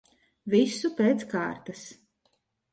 Visu pēc kārtas.